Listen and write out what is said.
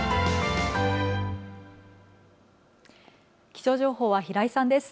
気象情報は平井さんです。